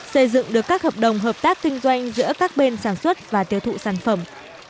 xây dựng được các hợp đồng hợp tác kinh doanh giữa các bên sản xuất và tiêu thụ sản phẩm